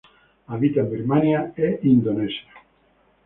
Habita en Birmania y Indonesia.